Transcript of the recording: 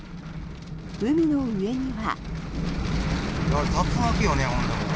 海の上には。